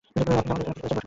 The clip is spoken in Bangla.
আপনি আমাদের জন্য কি করেছেন?